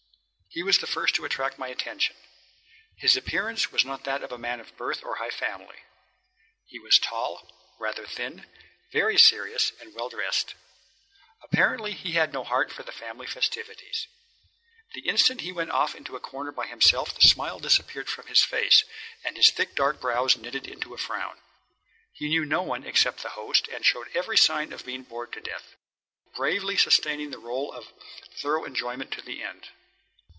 He was the first to attract my attention. His appearance was not that of a man of birth or high family. He was tall, rather thin, very serious, and well dressed. Apparently he had no heart for the family festivities. The instant he went off into a corner by himself the smile disappeared from his face, and his thick dark brows knitted into a frown. He knew no one except the host and showed every sign of being bored to death, though bravely sustaining the role of thorough enjoyment to the end.